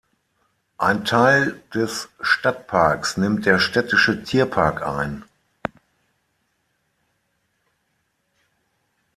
Ein Teil des Stadtparks nimmt der städtische Tierpark ein.